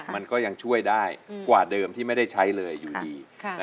มันก็ยังช่วยได้กว่าเดิมที่ไม่ได้ใช้เลยอยู่ดี